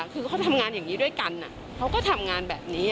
คือเขาทำงานอย่างนี้ด้วยกันเขาก็ทำงานแบบนี้